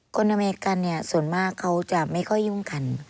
คนอเมริกาส่วนมากเขาจะไม่ค่อยยุ่งกัน